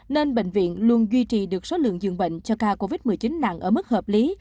nên bệnh viện luôn duy trì được số lượng dường bệnh cho ca covid một mươi chín nặng ở mức hợp lý